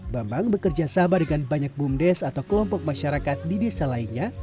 bambang bekerja sama dengan banyak bumdes atau kelompok masyarakat di desa lainnya